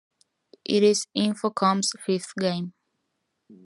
It is Infocom's fifth game.